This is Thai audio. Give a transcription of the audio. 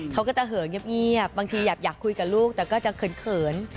เขาก็จะเหอเงียบบางทีอยากคุยกับลูกแต่ก็จะเขิน